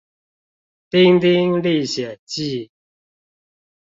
丁丁歷險記